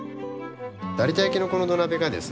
有田焼のこの土鍋がですね